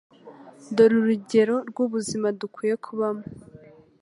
Dore urugero rwubuzima dukwiye kubamo